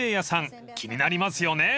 ［気になりますよね